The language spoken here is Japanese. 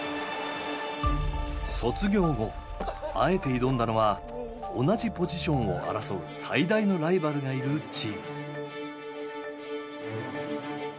卒業後あえて挑んだのは同じポジションを争う最大のライバルがいるチーム。